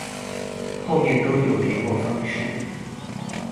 後面都有連絡方式